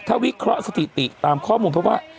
ถ้าวิเคราะห์สถิติตามข้อมูลเพราะว่า